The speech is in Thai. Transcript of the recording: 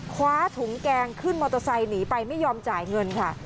คว้าถุงแกงขึ้นมอเตอร์ไซค์หนีไปไม่ยอมจ่ายเงินค่ะ